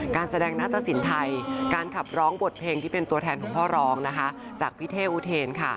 การแสดงหน้าตะสินไทยการขับร้องบทเพลงที่เป็นตัวแทนของพ่อร้องจากพี่เท่อุเทน